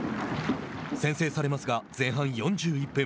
先制されますが前半４１分。